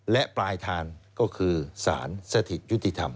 และปลายทางก็คือสารสถิตยุติธรรม